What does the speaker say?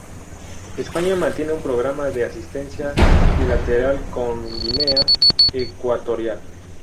España mantiene un programa de asistencia bilateral con Guinea Ecuatorial.